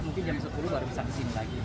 mungkin jam sepuluh baru bisa kesini lagi